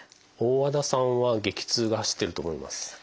大和田さんは激痛が走ってると思います。